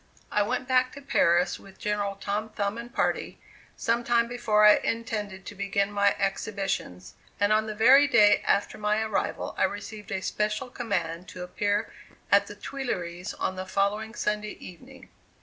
I went back to Paris with General Tom Thumb and party some time before I intended to begin my exhibitions, and on the very day after my arrival I received a special command to appear at the Tuileries on the following Sunday evening.